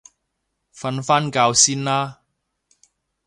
瞓返覺先啦